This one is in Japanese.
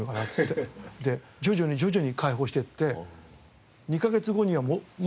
で徐々に徐々に解放していって。